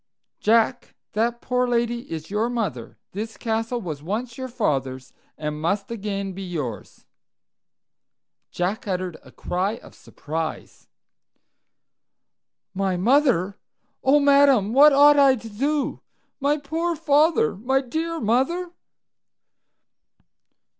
"Jack, that poor lady is your mother. This castle was once your father's, and must again be yours. Jack uttered a cry of surprise. "My mother! oh, madam, what ought I to do? My poor father! My dear mother!"